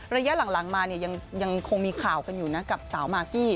ระยะหลังมาเนี่ยยังคงมีข่าวกันอยู่นะกับสาวมากกี้